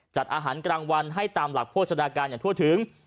จัดอาหารกลางวันให้ตามหลักโภชนาการอย่างทั่วถึง